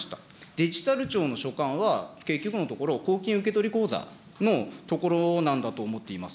デジタル庁の所管は、結局のところ、公金受取口座のところなんだと思っています。